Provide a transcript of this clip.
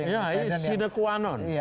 ya ini sida kuanon